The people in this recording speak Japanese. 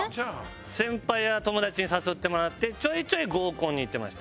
先輩や友達に誘ってもらってちょいちょい合コンに行ってました。